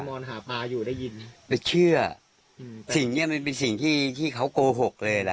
นอนหาปลาอยู่ได้ยินแต่เชื่ออืมสิ่งเนี้ยมันเป็นสิ่งที่ที่เขาโกหกเลยล่ะ